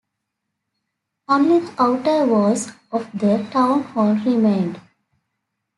Only the outer walls of the town hall remained.